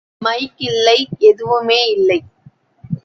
Mic இல்லை எதுவுமே இல்லை.